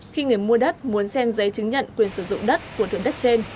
khi người mua đất muốn xem giấy chứng nhận quyền sử dụng đất của thượng đất trên